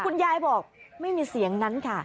คุณยายบอกไม่มีเสียงนั้นค่ะ